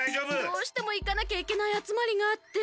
どうしてもいかなきゃいけないあつまりがあって。